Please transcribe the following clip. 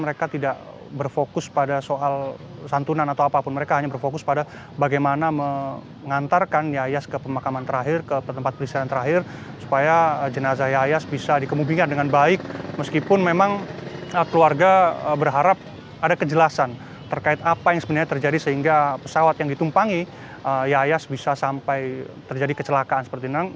keluarga mengatakan mereka tidak berfokus pada soal santunan atau apapun mereka hanya berfokus pada bagaimana mengantarkan yayas ke pemakaman terakhir ke tempat perisian terakhir supaya jenazah yayas bisa dikemubingkan dengan baik meskipun memang keluarga berharap ada kejelasan terkait apa yang sebenarnya terjadi sehingga pesawat yang ditumpangi yayas bisa sampai terjadi kecelakaan seperti ini